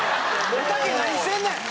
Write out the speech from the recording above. おたけ何してんねん！」